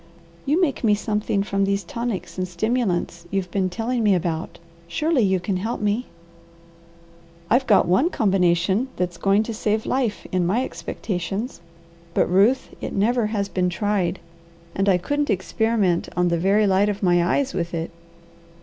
You make me something from these tonics and stimulants you've been telling me about. Surely you can help me!" "I've got one combination that's going to save life, in my expectations. But Ruth, it never has been tried, and I couldn't experiment on the very light of my eyes with it.